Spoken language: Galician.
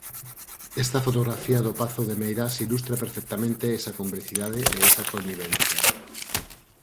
Esta fotografía do pazo de Meirás ilustra perfectamente esa complicidade e esa conivencia.